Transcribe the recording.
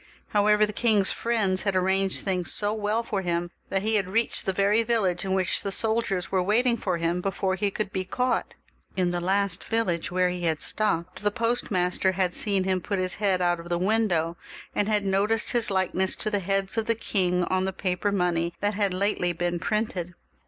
However, the king's friends had arranged things so well for him, that he had reached the very village in which the soldiers were waiting for him before he could be caught. In the last village where he had stopped, the post master had seen him put his head out of the window, and had noticed his likeness to the heads of the king on the the paper money that had lately been printed.